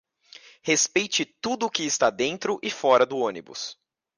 Respeite tudo o que está dentro e fora do ônibus.